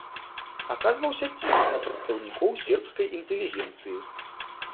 Аказваўся ціск на прадстаўнікоў сербскай інтэлігенцыі.